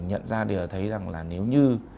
nhận ra điều là thấy rằng là nếu như